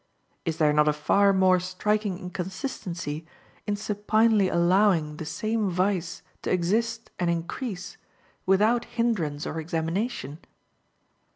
Is there not a far more striking inconsistency in supinely allowing the same vice to exist and increase, without hinderance or examination?